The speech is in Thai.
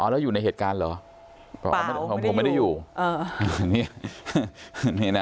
อ๋อแล้วอยู่ในเหตุการณ์เหรอเปล่าผมไม่ได้อยู่เออนี่นี่น่ะ